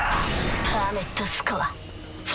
パーメットスコア４。